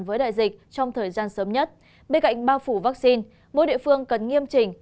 với đại dịch trong thời gian sớm nhất bên cạnh bao phủ vaccine mỗi địa phương cần nghiêm trình